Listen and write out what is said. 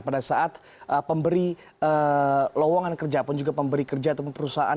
pada saat pemberi lowongan kerja pun juga pemberi kerja ataupun perusahaan